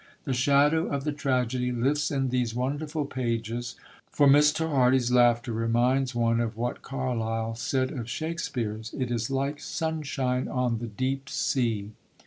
The shadow of the tragedy lifts in these wonderful pages, for Mr. Hardy's laughter reminds one of what Carlyle said of Shakespeare's: it is like sunshine on the deep sea.